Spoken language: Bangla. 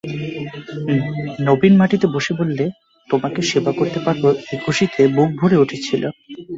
নবীন মাটিতে বসে বললে, তোমাকে সেবা করতে পারব এই খুশিতে বুক ভরে উঠেছিল।